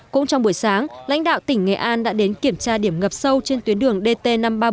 cũng trong buổi sáng lãnh đạo tỉnh nghệ an đã đến kiểm tra điểm ngập sâu trên tuyến đường dt năm trăm ba mươi bảy